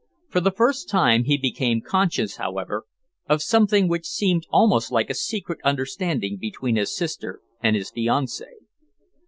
For the first time he became conscious, however, of something which seemed almost like a secret understanding between his sister and his fiancée.